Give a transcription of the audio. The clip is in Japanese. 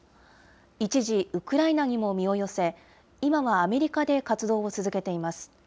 一時、ウクライナにも身を寄せ、今はアメリカで活動を続けています。